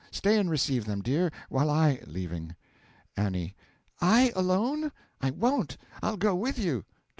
Stay and receive them, dear, while I (Leaving.) A. I alone? I won't! I'll go with you! (To GR.)